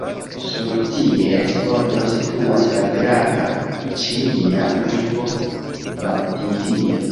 Sur ties bordo situas la grava ĉilia urbo Valdivia.